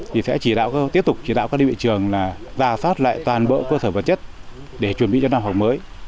thì sẽ chỉ đạo tiếp tục chỉ đạo các đơn vị trường là giả soát lại toàn bộ cơ sở vật chất để chuẩn bị cho năm học mới